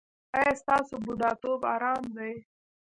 ایا ستاسو بوډاتوب ارام دی؟